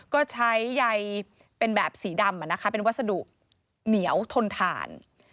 ก็ใช้ใยเป็นแบบสีดำเป็นวัสดุเหนียวทนถ่าน